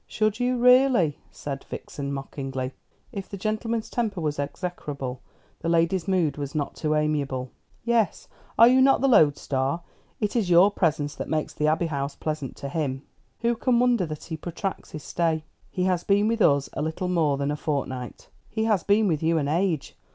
"Should you, really?" said Vixen mockingly. If the gentleman's temper was execrable, the lady's mood was not too amiable. "Yes. Are not you the load star? It is your presence that makes the Abbey House pleasant to him. Who can wonder that he protracts his stay?" "He has been with us a little more than a fortnight." "He has been with you an age.